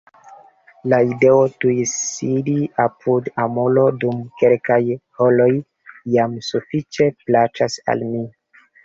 La ideo tuj sidi apud amulo dum kelkaj horoj jam sufiĉe plaĉas al mi.